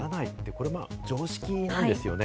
これは常識なんですよね。